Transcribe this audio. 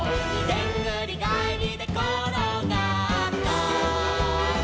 「でんぐりがえりでころがった」